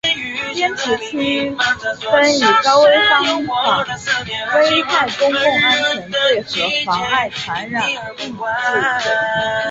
坚持区分以危险方法危害公共安全罪和妨害传染病防治罪